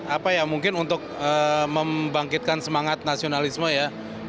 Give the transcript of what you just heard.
apa ya mungkin untuk membangkitkan semangat nasionalisme ya